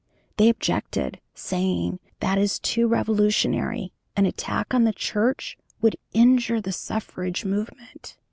They objected, saying, "That is too revolutionary, an attack on the Church would injure the suffrage movement."